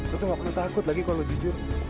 lo tuh nggak perlu takut lagi kalau lo jujur